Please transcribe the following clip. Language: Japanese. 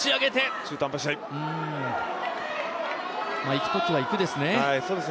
いくときはいく、ですね。